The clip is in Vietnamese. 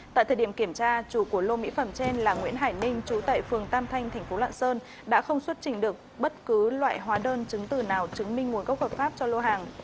tại thời điểm kiểm tra chủ của lô mỹ phẩm trên là nguyễn hải ninh trú tại phường tam thanh thành phố lạng sơn đã không xuất trình được bất cứ loại hóa đơn chứng từ nào chứng minh nguồn gốc hợp pháp cho lô hàng